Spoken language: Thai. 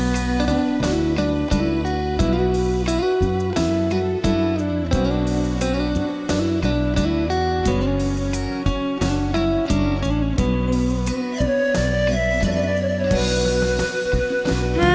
กลับมาเมื่อเวลาที่สุดท้าย